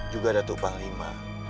juga datuk panglima